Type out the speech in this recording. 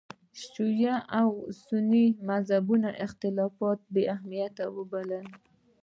شیعه او سني مذهبي اختلافات بې اهمیته وبولي.